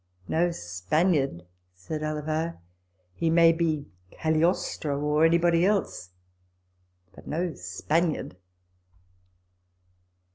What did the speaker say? " No Spaniard," said Alava ;" he may be Cagliostro, or anybody else, but no Spaniard."